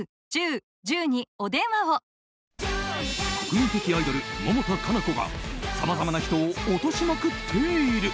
国民的アイドル百田夏菜子がさまざまな人を落としまくっている。